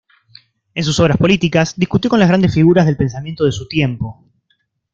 En sus obras políticas discutió con las grandes figuras del pensamiento de su tiempo.